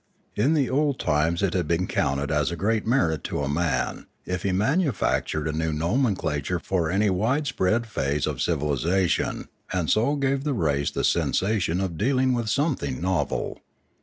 In the old times it had been counted as a great merit to a man, if he manufactured a new nom enclature for any wide spread phase of civilisation, and so gave the race the sensation of dealing with some thing novel.